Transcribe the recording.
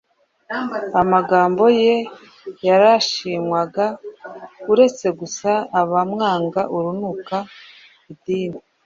Amagambo ye yarashimwaga uretse gusa abamwanga urunuka idini